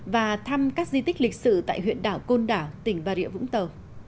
và thăm các di tích lịch sử tại huyện đảo côn đảo tỉnh bà rịa vũng tàu